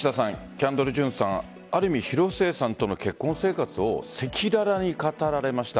キャンドル・ジュンさんある意味広末さんとの結婚生活を赤裸々に語られました。